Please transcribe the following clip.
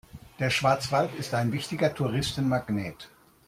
Der Schwarzwald ist ein wichtiger Touristenmagnet.